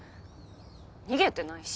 逃げてないし。